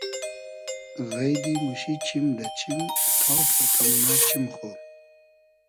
غݷدی موشی چیم دۂ چیم تا پۉرتۂ مونۂ چیم خو